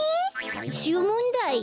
さいしゅうもんだい？